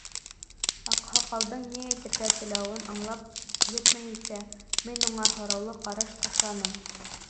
Аҡһаҡалдың ни әйтергә теләүен аңлап етмәйенсә, мин уға һораулы ҡараш ташланым.